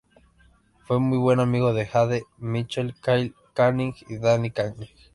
Fue muy buen amigo de Jade Mitchell, Kyle Canning y Dane Canning.